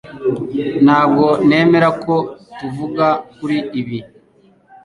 Ntabwo nemera ko tuvuga kuri ibi